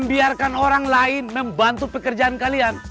biarkan orang lain membantu pekerjaan kalian